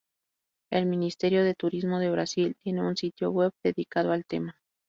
El Ministerio de Turismo de Brasil tiene un sitio web dedicado al tema.